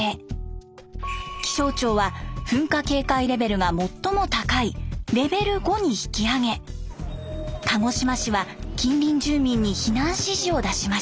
気象庁は噴火警戒レベルが最も高いレベル５に引き上げ鹿児島市は近隣住民に避難指示を出しました。